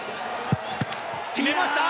決めました！